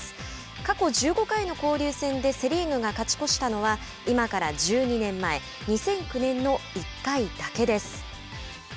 過去１５回の交流戦でセ・リーグが勝ち越したのは今から１２年前２００９年の１回だけです。